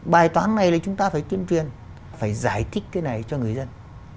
bài toán này là chúng ta phải tuyên truyền phải giải thích cái này cho người dân